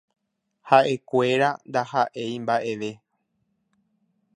Haʼekuéra ndahaʼéi mbaʼeve.